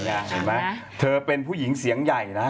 เห็นไหมเธอเป็นผู้หญิงเสียงใหญ่นะ